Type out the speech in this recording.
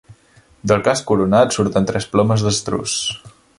Del casc coronat surten tres plomes d'estruç.